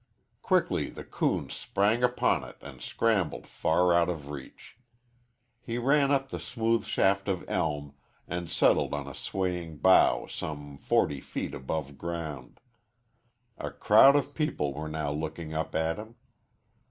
Quickly the coon sprang upon it and scrambled far out of reach. He ran up the smooth shaft of elm and settled on a swaying bough some forty feet above ground. A crowd of people were now looking up at him.